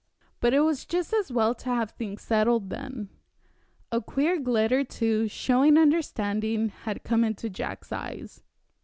But it was just as well to have things settled then. A queer glitter, too, showing understanding, had come into Jack's eyes.